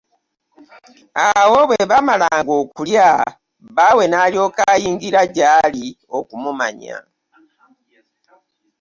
Awo bwe baamalanga okulya, bbaawe n’alyoka ayingira gy’ali okumumanya.